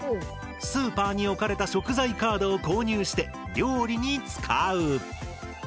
スーパーに置かれた食材カードを購入して料理に使う。